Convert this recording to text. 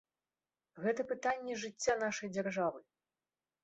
Гэта пытанне жыцця нашай дзяржавы.